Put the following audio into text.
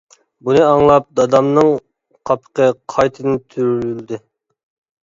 بۇنى ئاڭلاپ دادامنىڭ قاپىقى قايتىدىن تۈرۈلدى.